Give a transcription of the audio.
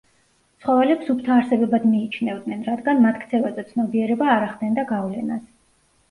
ცხოველებს სუფთა არსებებად მიიჩნევდნენ, რადგან მათ ქცევაზე ცნობიერება არ ახდენდა გავლენას.